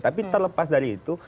tapi terlepas dari itu